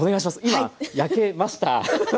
今焼けました。